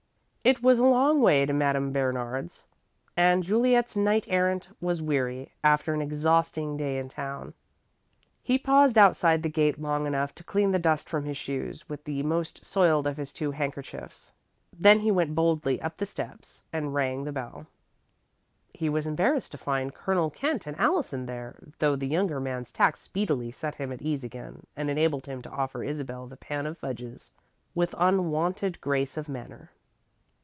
It was a long way to Madame Bernard's, and Juliet's knight errant was weary, after an exhausting day in town. He paused outside the gate long enough to clean the dust from his shoes with the most soiled of his two handkerchiefs, then went boldly up the steps and rang the bell. He was embarrassed to find Colonel Kent and Allison there, though the younger man's tact speedily set him at ease again, and enabled him to offer Isabel the pan of fudges with unwonted grace of manner.